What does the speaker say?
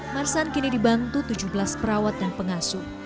marsan kini dibantu tujuh belas perawat dan pengasuh